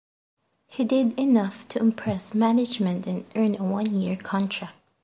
He did enough to impress management and earn a one-year contract.